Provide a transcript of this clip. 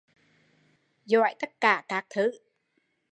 Giỏi tất cả các thứ